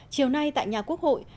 chiều nay tại nhà quốc hội